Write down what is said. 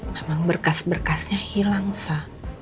memang berkas berkasnya hilang sah